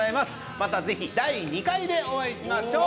またぜひ第２回でお会いしましょう。